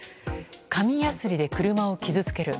紙やすりで車を傷つける。